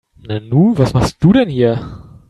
Nanu, was machst du denn hier?